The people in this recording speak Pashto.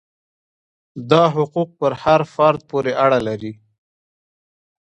دا حقوق پر هر فرد پورې اړه لري.